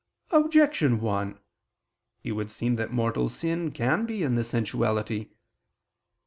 Objection 1: It would seem that mortal sin can be in the sensuality.